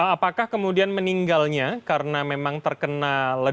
apakah kemudian meninggalnya karena memang terkena ledakan atau bom yang menimpa gazet